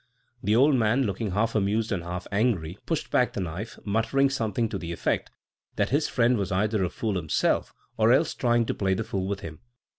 The old man, looking half amused and half angry, pushed back the knife, muttering something to the effect that his friend was either a fool himself or else trying to play the fool with him.